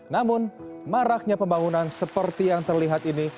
namun maraknya pembangunan seperti yang terlihat ini